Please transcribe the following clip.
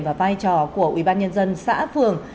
và vai trò của ủy ban nhân dân xã phường